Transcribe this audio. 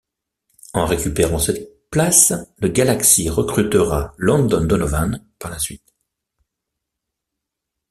En récupérant cette place, le Galaxy recrutera Landon Donovan par la suite.